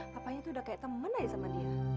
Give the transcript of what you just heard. papanya tuh udah kayak temen aja sama dia